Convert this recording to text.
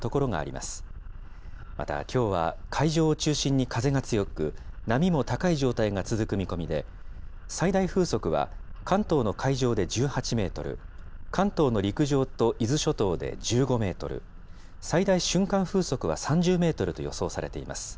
また、きょうは海上を中心に風が強く、波も高い状態が続く見込みで、最大風速は関東の海上で１８メートル、関東の陸上と伊豆諸島で１５メートル、最大瞬間風速は３０メートルと予想されています。